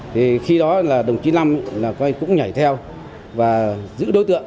thì khi đó là đồng chí năm cũng nhảy theo và giữ đối tượng